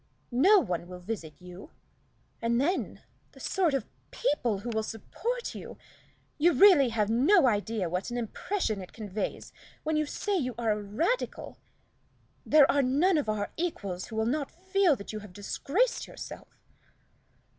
No one will visit you. And then the sort of people who will support you! You really have no idea what an impression it conveys when you say you are a Radical. There are none of our equals who will not feel that you have disgraced yourself."